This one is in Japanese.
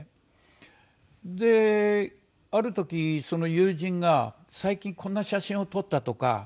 である時友人が「最近こんな写真を撮った」とか。